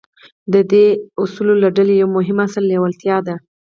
د دې اصولو له ډلې يو مهم اصل لېوالتیا ده.